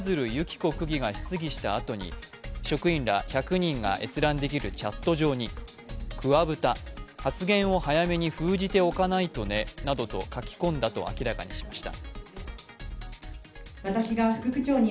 子区議が質疑したあとに職員ら１００人が閲覧できるチャット上に、桑ブタ発言を早めに封じておかないとねなどと書き込んだと明らかにしました。